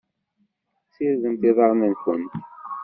Ssirdemt iḍarren-nwent.